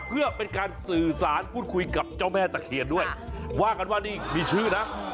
เพื่อเป็นการสื่อสารพูดคุยกับด้วยว่ากันว่านี่มีชื่อนั้น